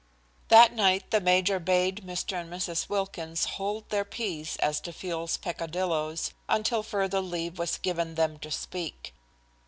That night the major bade Mr. and Mrs. Wilkins hold their peace as to Field's peccadilloes until further leave was given them to speak.